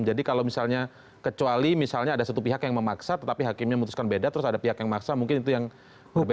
jadi kalau misalnya kecuali misalnya ada satu pihak yang memaksa tetapi hakimnya memutuskan beda terus ada pihak yang memaksa mungkin itu yang berbeda